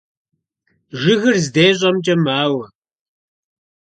Жыгыр здещӀэмкӀэ мауэ.